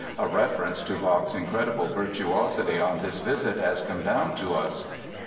A reference to Bach's incredible virtuosity on this visit has come down to us.